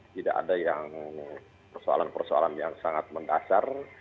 tidak ada yang persoalan persoalan yang sangat mendasar